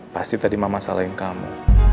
pasti tadi mama salahin kamu